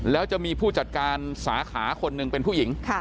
แล้วจะมีผู้จัดการสาขาคนหนึ่งเป็นผู้หญิง